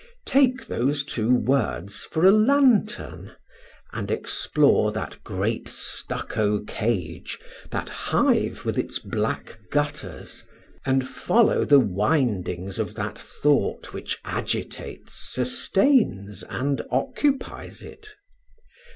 Take those two words for a lantern, and explore that great stucco cage, that hive with its black gutters, and follow the windings of that thought which agitates, sustains, and occupies it!